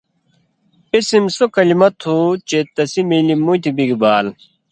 اسم سو کلمہ تُھو چے تسی ملیۡ مُتیۡ بِگی بال